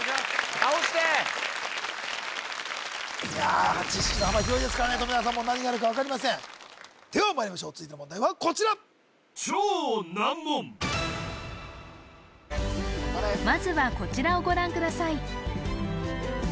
倒して知識の幅広いですからね富永さん何があるか分かりませんではまいりましょう続いての問題はこちらまずはこちらをご覧ください